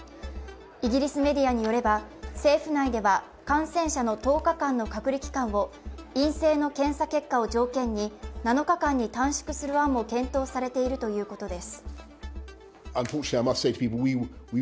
イギリスメディアによれば、政府内では感染者に対する１０日間の隔離期間を陰性の検査結果を条件に７日間に短縮する案も検討されているということです。